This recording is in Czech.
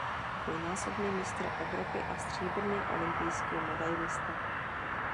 Dvojnásobný mistr Evropy a stříbrný olympijský medailista.